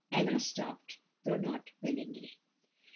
"Ella stopped, though not willingly.